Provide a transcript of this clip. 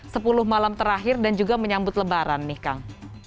sepuluh malam terakhir dan juga menyambut lebaran nih kang